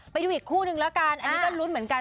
ไปดูอีกคู่นึงแล้วกันอันนี้ก็ลุ้นเหมือนกัน